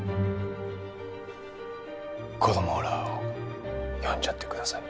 子供らを呼んじゃってください。